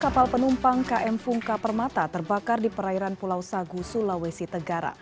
kapal penumpang km fungka permata terbakar di perairan pulau sagu sulawesi tenggara